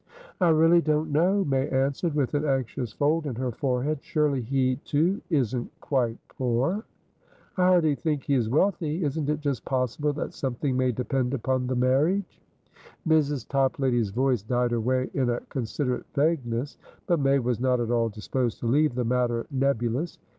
"I really don't know," May answered, with an anxious fold in her forehead "Surely he, too, isn't quite poor?" "I hardly think he is wealthy. Isn't it just possible that something may depend upon the marriage?" Mrs. Toplady's voice died away in a considerate vagueness. But May was not at all disposed to leave the matter nebulous.